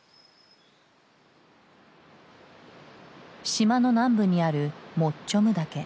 島の南部にあるモッチョム岳。